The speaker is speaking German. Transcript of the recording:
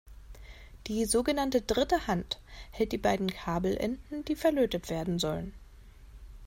Die sogenannte Dritte Hand hält die beiden Kabelenden, die verlötet werden sollen.